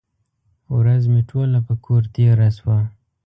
ورځ مې ټوله په کور تېره شوه.